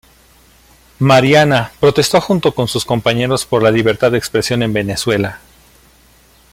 Mariana protestó junto con sus compañeros por la libertad de expresión en Venezuela.